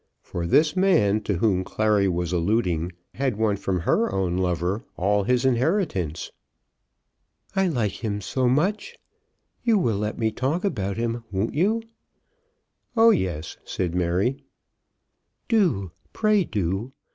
For this man to whom Clary was alluding had won from her own lover all his inheritance. "I like him so much. You will let me talk about him; won't you?" "Oh, yes," said Mary. "Do; pray do.